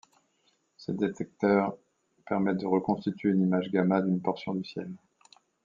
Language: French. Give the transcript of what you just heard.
Ses détecteurs permettent de reconstituer une image gamma d'une portion du ciel.